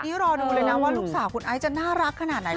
นี่รอดูเลยนะว่าลูกสาวคุณไอซ์จะน่ารักขนาดไหน